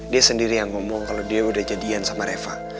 dia sendiri yang ngomong kalau dia udah jadian sama reva